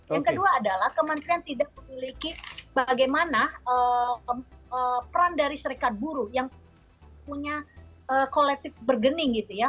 yang kedua adalah kementerian tidak memiliki bagaimana peran dari serikat buruh yang punya colletive bergening gitu ya